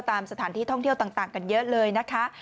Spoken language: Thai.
ตามสถานที่ท่องเที่ยวต่างกันเยอะเลยนะคะ